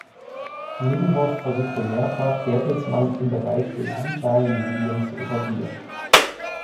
Middelhoff versuchte mehrfach, Bertelsmann im Bereich der digitalen Medien zu etablieren.